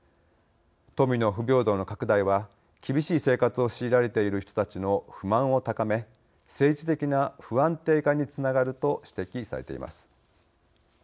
富の不平等の拡大は厳しい生活を強いられている人たちの不満を高め政治的な不安定化につながると指摘されています。